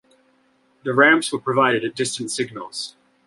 The ramps were provided at distant signals.